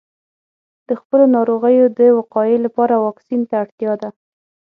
د خپلو ناروغیو د وقایې لپاره واکسین ته اړتیا ده.